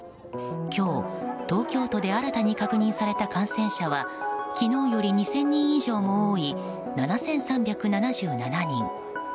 今日、東京都で新たに確認された感染者は昨日より２０００人以上も多い７３７７人。